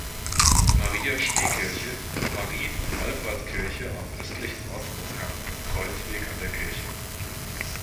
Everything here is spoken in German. Maria-Schnee-Kirche: Marien- und Wallfahrtskirche am östlichen Ortsausgang mit Kreuzweg an der Kirche.